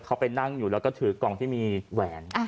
เขาไปนั่งอยู่แล้วก็ถือกล่องที่มีแหวน